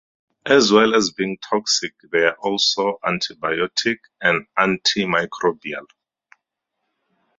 As well as being toxic they are also antibiotic and antimicrobial.